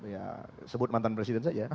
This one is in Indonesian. ya sebut mantan presiden saja